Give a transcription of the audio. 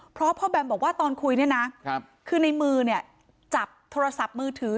เพราะพ่อแบมบอกว่าตอนคุยคือในมือจับโทรศัพท์มือถือ